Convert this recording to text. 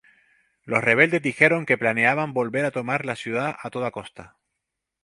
Los rebeldes dijeron que planeaban volver a tomar la ciudad a toda costa.